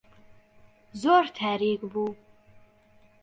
زۆر تاریک بوو.